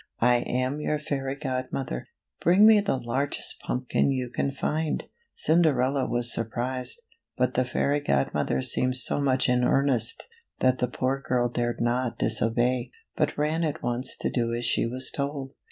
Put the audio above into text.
I am your fairy godmother. Bring me the largest pumpkin you can find." Cinderella was surprised, but the fairy godmother seemed so much in earnest, that the poor girl dared not disobey, but ran at once to do as she was told.